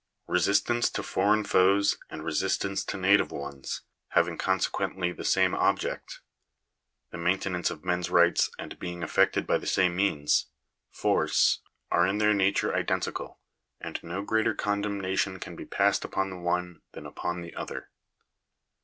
Resistance to foreign Digitized by VjOOQIC 270 THE DUTY OF THE STATE. foes and resistance to native ones having consequently the same object — the maintenance of men's rights, and being effected by the same means — force, are in their nature identical, and no greater condemnation can be passed upon the one than upon the other.